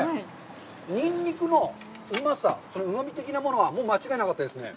ニンニクのうまさ、うまみ的なものはもう間違いなかったですね。